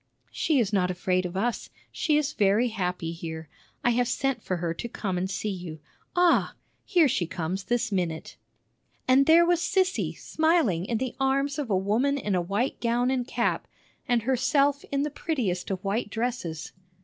"She is not afraid of us; she is very happy here. I have sent for her to come and see you. Ah, here she comes this minute!" And there was Sissy, smiling, in the arms of a woman in a white gown and cap, and herself in the prettiest of white dresses.